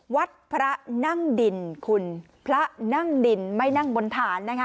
วัดพระนั่งดินคุณพระนั่งดินไม่นั่งบนฐานนะคะ